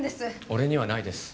俺にはないです